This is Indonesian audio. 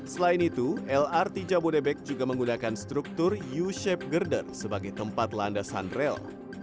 selain itu lrt jabodebek juga menggunakan struktur u shape girder sebagai tempat landasan rel